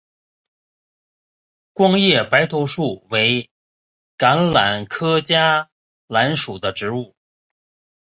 光叶白头树为橄榄科嘉榄属的植物。